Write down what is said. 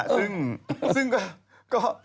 ซึ่งก็